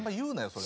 それ。